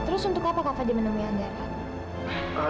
terus untuk apa kak fadil menemui andara